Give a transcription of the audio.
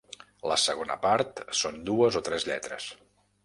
La segona part són dues o tres lletres.